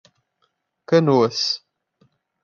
Canoas